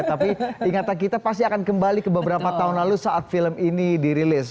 tapi ingatan kita pasti akan kembali ke beberapa tahun lalu saat film ini dirilis